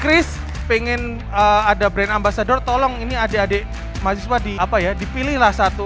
chris pengen ada brand ambasador tolong ini adik adik mahasiswa di apa ya dipilihlah satu